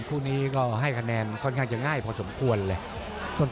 คู่นี้ก็ให้คะแนนค่อนข้างจะง่ายพอสมควรเลย